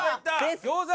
餃子！